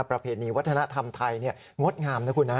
ประเพณีวัฒนธรรมไทยงดงามนะคุณนะ